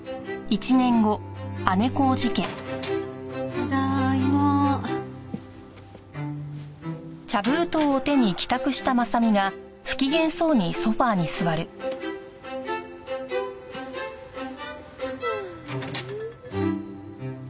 ただいま。はああ。